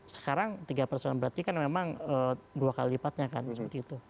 sekarang tiga persen berarti kan memang dua kali lipatnya kan seperti itu